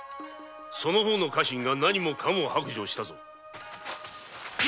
その方の家臣が何もかも白状したぞ。